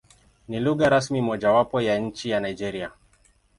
Ni lugha rasmi mojawapo ya nchi ya Nigeria.